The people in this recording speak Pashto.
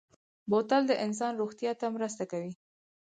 بوتل د انسان روغتیا ته مرسته کوي.